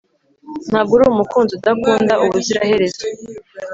ntabwo ari umukunzi udakunda ubuziraherezo